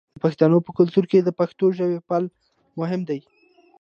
د پښتنو په کلتور کې د پښتو ژبې پالل مهم دي.